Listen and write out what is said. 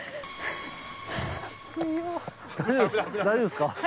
大丈夫ですか？